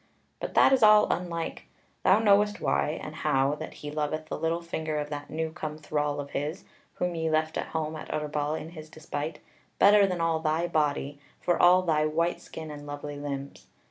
But that is all unlike: thou knowest why, and how that he loveth the little finger of that new come thrall of his (whom ye left at home at Utterbol in his despite), better than all thy body, for all thy white skin and lovely limbs.